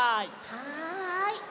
はい。